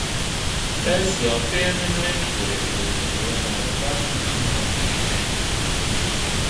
Es jau pieminēju Krievijas kā globāla partnera nozīmi.